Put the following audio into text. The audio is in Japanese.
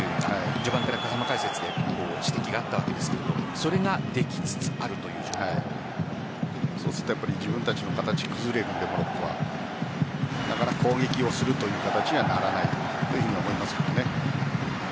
序盤から風間解説で指摘があったわけですがそうすると自分たちの形が崩れるモロッコは攻撃をするという形にはならないと思いますけどね。